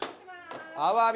アワビ。